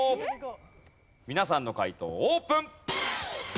皆さんの解答オープン！